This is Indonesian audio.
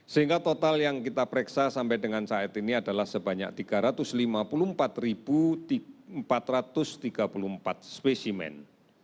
sehingga total yang kita pereksa sampai dengan saat ini adalah sebanyak tiga ratus lima puluh empat empat ratus tiga puluh empat spesimen